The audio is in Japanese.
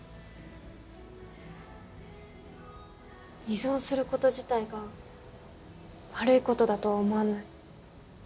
依存すること自体が悪いことだとは思わない。